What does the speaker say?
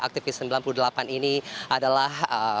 aktivis sembilan puluh delapan ini adalah